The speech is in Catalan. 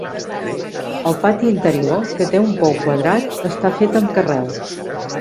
El pati interior -que té un pou quadrat- està fet amb carreus.